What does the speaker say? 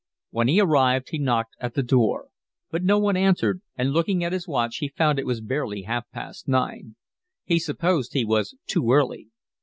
When he arrived he knocked at the door; but no one answered, and looking at his watch he found it was barely half past nine; he supposed he was too early.